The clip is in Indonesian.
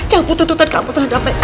cabut tuntutan kamu terhadap mike